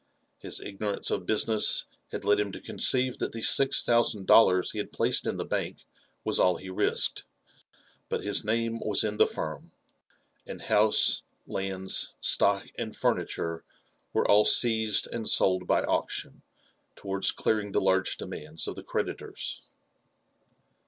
His ignorance of business had led him to conceive that the six thousand dollars he had placed in the bank was all he risked ; but his nam^ 00 UFE AND ADVENTURES OP was io the firm, and house, lands, stock, and farnitore, were all seized and sold by auction, towards clearing the large demands of the creditors.